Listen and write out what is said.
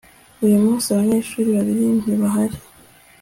uyu munsi, abanyeshuri babiri ntibahari